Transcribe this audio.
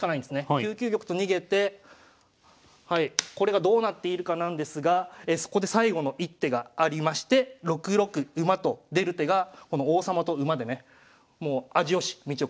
９九玉と逃げてこれがどうなっているかなんですがそこで最後の一手がありまして６六馬と出る手がこの王様と馬でね「味良し道夫」